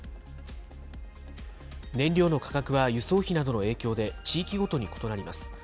燃料の価格は、輸送費などの影響で、地域ごとに異なります。